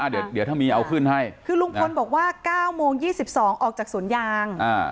เดี๋ยวถ้ามีเอาขึ้นให้คือลุงพลบอกว่า๙โมง๒๒ออกจากสวนยาง